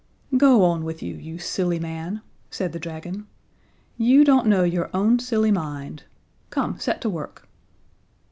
"Go on with you, you silly man," said the dragon, "you don't know your own silly mind. Come, set to work."